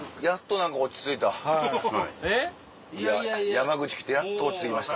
山口来てやっと落ち着きました。